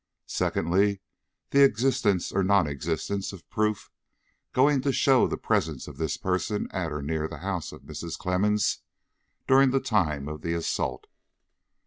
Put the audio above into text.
Secondly, the existence or non existence of proof going to show the presence of this person at or near the house of Mrs. Clemmens, during the time of the assault.